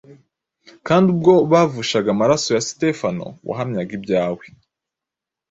Kandi ubwo bavushaga amaraso ya Sitefano wahamyaga ibyawe,